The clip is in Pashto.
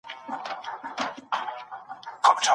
پلان د بریالیتوب لپاره یو نقشه ده.